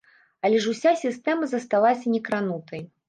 Але ж уся сістэма засталася некранутай.